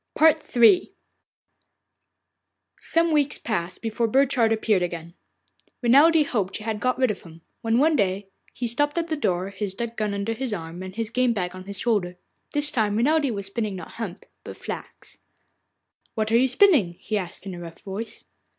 III Some weeks passed before Burchard appeared again. Renelde hoped she had got rid of him, when one day he stopped at the door, his duck gun under his arm and his game bag on his shoulder. This time Renelde was spinning not hemp, but flax. 'What are you spinning?' he asked in a rough voice.